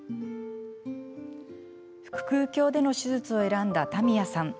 腹くう鏡での手術を選んだ田宮さん。